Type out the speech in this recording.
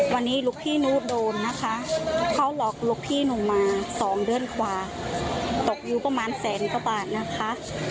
วันนี้ลูกพี่หนูโดนนะคะเขาหลอกลูกพี่หนูมา๒เดือนกว่าตกอยู่ประมาณแสนกว่าบาทนะคะ